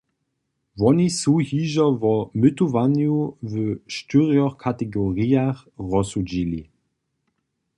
Woni su hižo wo mytowanju w štyrjoch kategorijach rozsudźili.